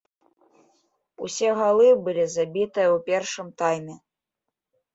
Усе галы былі забітыя ў першым тайме.